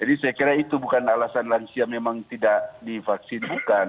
jadi saya kira itu bukan alasan lansia memang tidak divaksin bukan